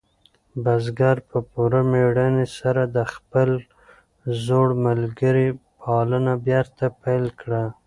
بزګر په پوره مېړانې سره د خپل زوړ ملګري پالنه بېرته پیل کړه.